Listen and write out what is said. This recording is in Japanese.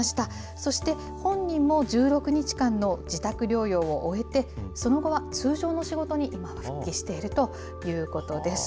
そして本人も１６日間の自宅療養を終えて、その後は通常の仕事に今は復帰しているということです。